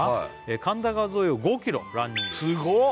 「神田川沿いを５ｋｍランニング」すごっ！